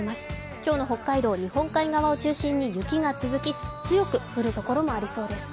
今日の北海道、日本海側を中心に雪が続き強く降るところもありそうです。